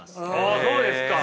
あそうですか。